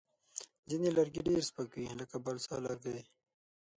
ځینې لرګي ډېر سپک وي، لکه بالسا لرګی.